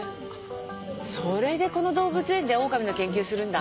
それでこの動物園でオオカミの研究するんだ。